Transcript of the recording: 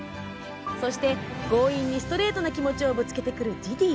そして、強引にストレートな気持ちをぶつけてくるジディ。